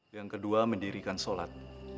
yang kedua mendirikan sholat